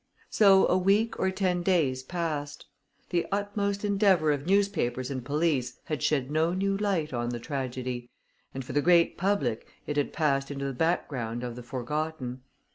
So a week or ten days passed. The utmost endeavor of newspapers and police had shed no new light on the tragedy, and for the great public it had passed into the background of the forgotten.